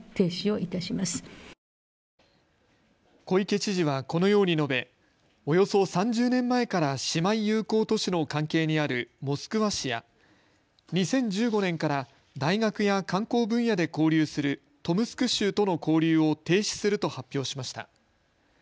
小池知事はこのように述べおよそ３０年前から姉妹友好都市の関係にあるモスクワ市や２０１５年から大学や観光分野で交流するトムスク州との交流を停止すると発表しました。